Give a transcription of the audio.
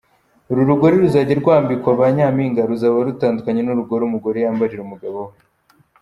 Uru rugori ruzajya rwambikwa ba Nyampinga ruzaba rutandukanye n’urugori umugore yambarira umugabo we.